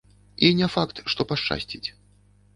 І не факт, што пашчасціць.